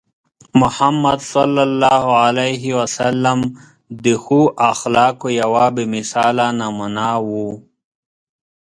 محمد صلى الله عليه وسلم د ښو اخلاقو یوه بې مثاله نمونه وو.